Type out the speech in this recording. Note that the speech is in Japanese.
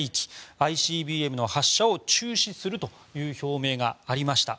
ＩＣＢＭの発射を中止するという表明がありました。